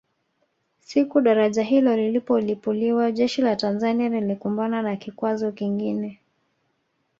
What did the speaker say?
Siku daraja hilo lilipolipuliwa jeshi la Tanzania lilikumbana na kikwazo kingine